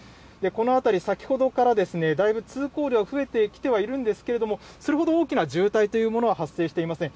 この辺り、先ほどから、だいぶ通行量、増えてきてはいるんですけれども、それほど大きな渋滞というものは発生していません。